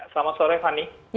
selamat sore fani